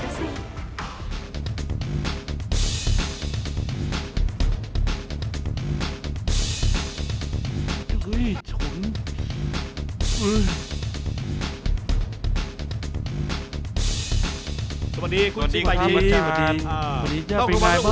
สวัสดีครับคุณสิวัยดี